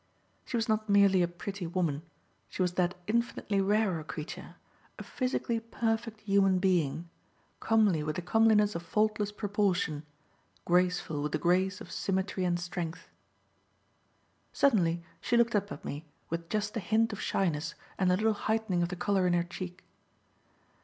She was not merely a pretty woman, she was that infinitely rarer creature, a physically perfect human being; comely with the comeliness of faultless proportion, graceful with the grace of symmetry and strength. Suddenly she looked up at me with just a hint of shyness and a little heightening of the colour in her cheek.